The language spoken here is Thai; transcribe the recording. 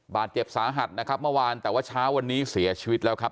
บาดเจ็บสาหัสนะครับเมื่อวานแต่ว่าเช้าวันนี้เสียชีวิตแล้วครับ